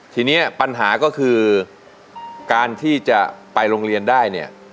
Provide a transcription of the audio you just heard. ทีนี้ปัญหาก็คือการที่จะไปโรงเรียนได้เนี่ย